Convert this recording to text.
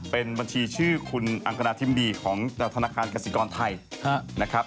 เป็นบัญชีชื่อคุณอังกณาทิมดีของธนาคารกสิกรไทยนะครับ